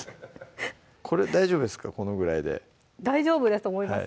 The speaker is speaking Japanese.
これ大丈夫ですかこのぐらいで大丈夫だと思います